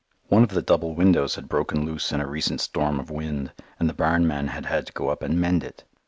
One of the double windows had broken loose in a recent storm of wind, and the barn man had had to go up and mend it.